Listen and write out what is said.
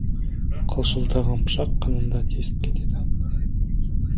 Қылшылдаған пышақ қынын да тесіп кетеді.